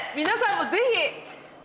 皆さんもぜひ！